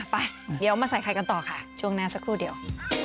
ไปเดี๋ยวมาใส่ไข่กันต่อค่ะช่วงหน้าสักครู่เดียว